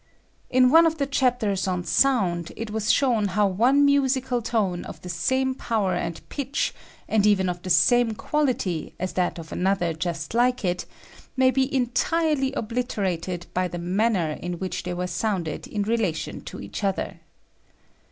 In one of the chapters on Sound it was shown how one musical tone of the same power and pitch, and even of the same quality, as that of an other just like it, might be entirely obliterated by the manner in which they were sounded in relation to each other.